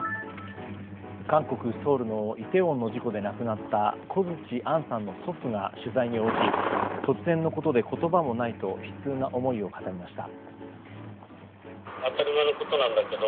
韓国ソウルのイテウォンの事故で亡くなった小槌杏さんの祖父が取材に応じ突然のことで言葉もないと悲痛な思いを語りました。